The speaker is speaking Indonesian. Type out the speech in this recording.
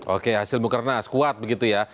oke hasil mukernas kuat begitu ya